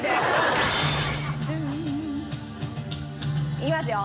いきますよ。